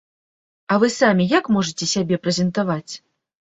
А вы самі як можаце сябе прэзентаваць?